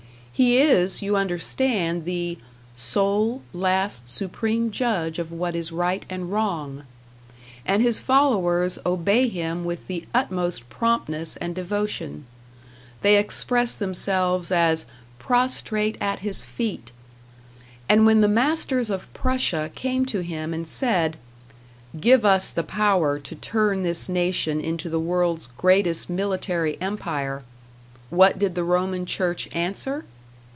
He is, you understand, the "sole, last, supreme judge of what is right and wrong," and his followers obey him with the utmost promptness and devotion they express themselves as "prostrate at his feet." And when the masters of Prussia came to him and said: "Give us the power to turn this nation into the world's greatest military empire" what did the Roman Church answer?